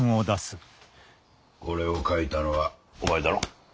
これを書いたのはお前だろ？